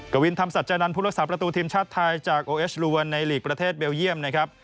กวินธรรมสัจจานันทร์ผู้รักษาประตูทีมชาติไทยจากโอเอสลวนในหลีกประเทศเบลเยี่ยมนะครับ